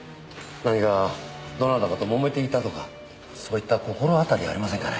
何かどなたかともめていたとかそういった心当たりありませんかね？